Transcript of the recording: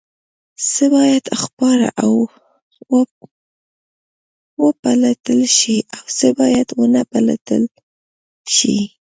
څه باید خپاره او وپلټل شي او څه باید ونه پلټل شي؟